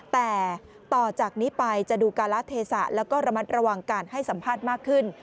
แต่ต่อจากนี้ไปจะดูการละเทศะแล้วก็ระมัดระวังการให้สัมภาษณ์มากขึ้น